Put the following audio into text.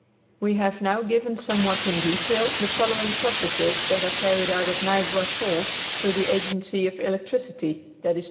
We have now given somewhat in detail the following processes that are carried on at Niagara Falls through the agency of electricity, viz.